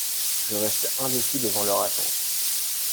Je reste indécis devant leur attente.